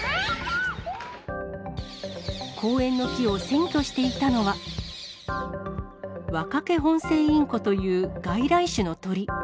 公園の木を占拠していたのは、ワカケホンセイインコという外来種の鳥。